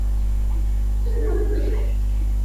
Amekuwa mchezaji bora wa dunia mara tatu